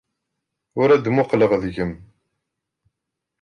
U ad muqleɣ deg-m...